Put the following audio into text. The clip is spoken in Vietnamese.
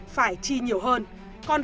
phải chi nhiều hơn